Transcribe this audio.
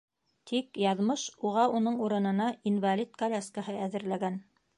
Тик яҙмыш уға уның урынына инвалид коляскаһы әҙерләгән.